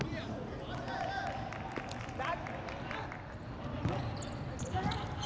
สวัสดีครับทุกคน